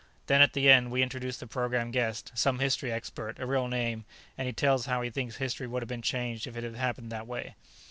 Then, at the end, we introduce the program guest, some history expert, a real name, and he tells how he thinks history would have been changed if it had happened this way."